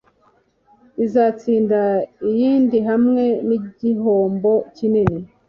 izatsinda iyindi hamwe nigihombo kinini